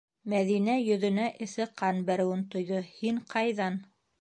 - Мәҙинә йөҙөнә эҫе ҡан бәреүен тойҙо, - һин ҡайҙан?..